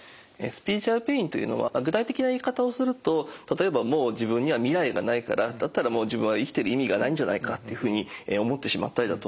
スピリチュアルペインというのは具体的な言い方をすると例えば「もう自分には未来がないからだったらもう自分は生きてる意味がないんじゃないか」っていうふうに思ってしまったりだとか